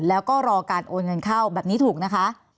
แล้วก็รอการโอนเงินเข้าแบบนี้ถูกนะคะ